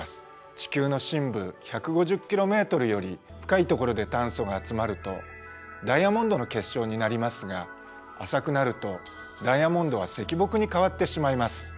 地球の深部１５０ｋｍより深いところで炭素が集まるとダイヤモンドの結晶になりますが浅くなるとダイヤモンドは石墨に変わってしまいます。